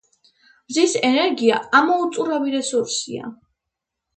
მზის ენერგია ამოუწურავი რესურსია